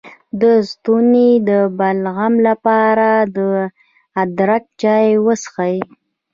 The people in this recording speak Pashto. د ستوني د بلغم لپاره د ادرک چای وڅښئ